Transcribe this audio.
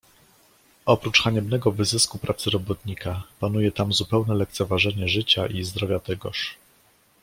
"Oprócz haniebnego wyzysku pracy robotnika, panuje tam zupełne lekceważenie życia i zdrowia tegoż."